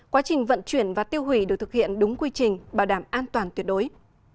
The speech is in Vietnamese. quá trình vận chuyển và tiêu hủy được thực hiện đúng quy trình bảo đảm an toàn tuyệt đối